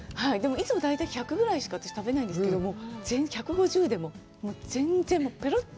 いつも大体１００ぐらいしか私、食べないんですけど、１５０でも全然ペロって。